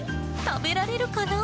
食べられるかな？